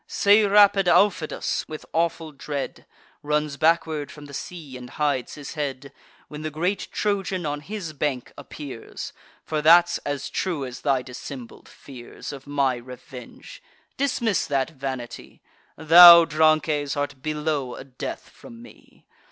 Say rapid Aufidus with awful dread Runs backward from the sea, and hides his head, When the great Trojan on his bank appears; For that's as true as thy dissembled fears Of my revenge. Dismiss that vanity: Thou, Drances, art below a death from me.